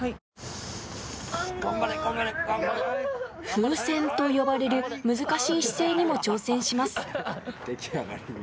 風船と呼ばれる難しい姿勢にも挑戦します